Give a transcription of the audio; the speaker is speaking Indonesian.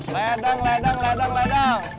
ledang ledang ledang ledang